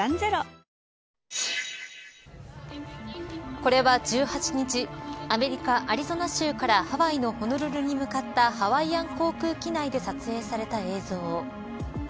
これは１８日アメリカ、アリゾナ州からハワイのホノルルに向かったハワイアン航空機内で撮影された映像。